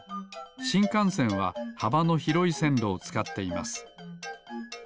しんかんせんははばのひろいせんろをつかっています。